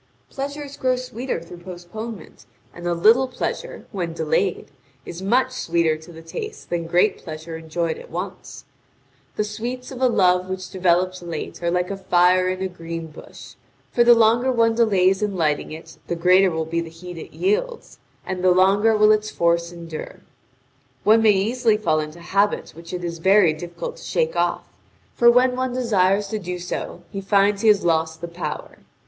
Pleasures grow sweeter through postponement; and a little pleasure, when delayed, is much sweeter to the taste than great pleasure enjoyed at once. The sweets of a love which develops late are like a fire in a green bush; for the longer one delays in lighting it the greater will be the heat it yields, and the longer will its force endure. One may easily fall into habits which it is very difficult to shake off, for when one desires to do so, he finds he has lost the power.